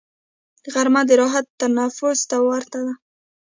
غرمه د راحت تنفس ته ورته ده